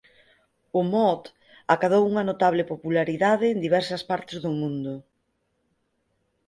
O mod acadou unha notable popularidade en diversas partes do mundo.